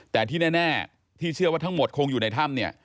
แต่ที่แน่ที่เชื่อว่าทั้งหมดคงอยู่ในถ้ำเนี่ย